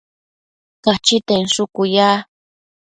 Cachita inshucu ya